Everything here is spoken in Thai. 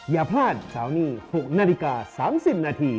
อย่าพลาดเสาร์นี้๖นาฬิกา๓๐นาที